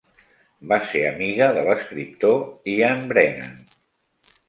Va ser amiga de l'escriptor Ian Brennan.